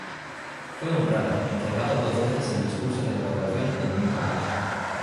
Fue honrada, entregado dos veces el discurso de graduación en New College.